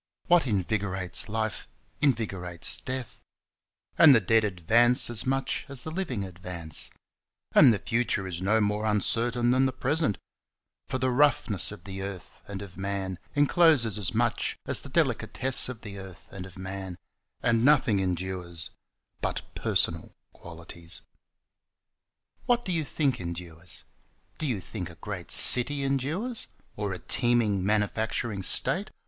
What invigorates life invigorates death, And the dead advance as much as the living advance, And the future is no more uncertain than the present, For the roughness of the earth and of man encloses as much as the delicatesse of the earth and of man, And nothing endures but personal qualities. What do you think endures? Do you think a great city endures? Or a teeming manufacturing state?